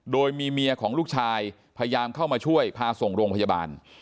โดยมีเมียของลูกชายพยายามเข้ามาช่วยพาส่งโรงพยาบาล